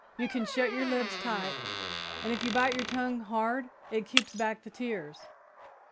You can shut your lips tight, and if you bite your tongue hard it keeps back the tears.